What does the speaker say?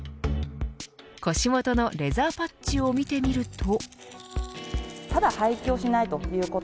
腰元のレザーパッチを見てみると。